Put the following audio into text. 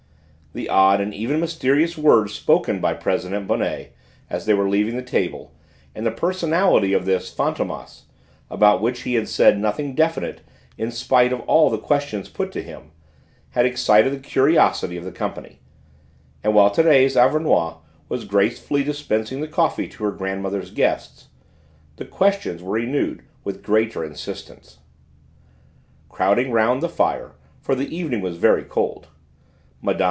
The odd and even mysterious words spoken by President Bonnet as they were leaving the table, and the personality of this Fantômas about which he had said nothing definite in spite of all the questions put to him, had excited the curiosity of the company, and while Thérèse Auvernois was gracefully dispensing the coffee to her grandmother's guests the questions were renewed with greater insistence. Crowding round the fire, for the evening was very cold, Mme.